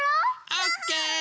オッケー！